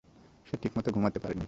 সে ঠিকমতো ঘুমাতে পারেনি।